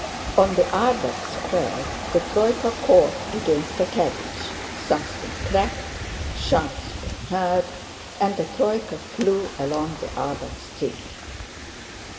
On the Arbát Square the troyka caught against a carriage; something cracked, shouts were heard, and the troyka flew along the Arbát Street.